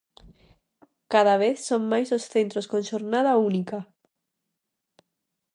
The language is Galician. Cada vez son máis os centros con xornada única.